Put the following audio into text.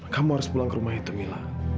kamu harus pulang ke rumah itu mila